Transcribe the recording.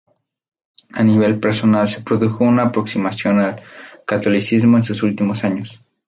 A nivel personal se produjo una aproximación al catolicismo en sus últimos años.